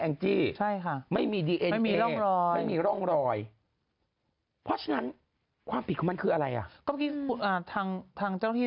อันนี้เราก็คือไก่กับไข่